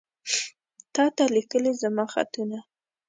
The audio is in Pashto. تاته ليکلي زما خطونه